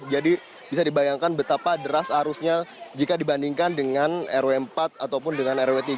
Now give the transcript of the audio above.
jadi bisa dibayangkan betapa deras arusnya jika dibandingkan dengan rw empat ataupun dengan rw tiga